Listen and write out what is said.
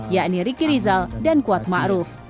yakni ricky rizal dan kuat ma'ruf